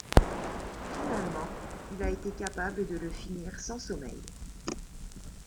Finalement, il a été capable de le finir sans sommeil.